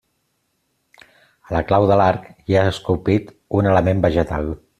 A la clau de l'arc hi ha esculpit un element vegetal.